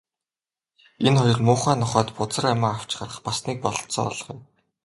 Энэ хоёр муухай нохойд бузар амиа авч гарах бас нэг бололцоо олгоё.